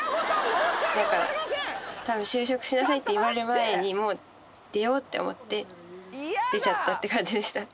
なんかたぶん就職しなさいって言われる前にもう出ようと思って、出ちゃったって感じでした。